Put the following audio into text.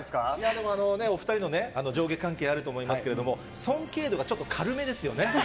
でも、お２人の上下関係あると思いますけども、尊敬度がちょっと軽めですよね。